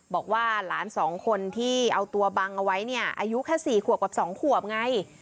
บอกว่าหลาน๒คนที่เอาตัวบังเอาไว้เนี่ยอายุแค่๔ขวบกับ๒ขวบไง